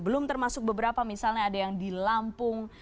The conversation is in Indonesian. belum termasuk beberapa misalnya ada yang di lampung